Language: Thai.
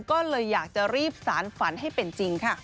ก็เลยอยากจะรีบสารฝันให้เป็นจริงค่ะ